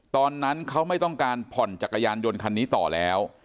ตอนนั้นเขาไม่ต้องการผ่อนจักรยานยนต์คันนี้ต่อแล้ว